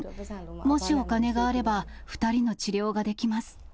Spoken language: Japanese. もしお金があれば、２人の治療ができます。